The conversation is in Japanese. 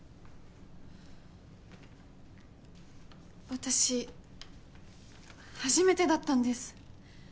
私初めてだったんです